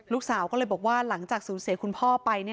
ลูกสาวก็เลยบอกว่าหลังจากสูญเสียคุณพ่อไป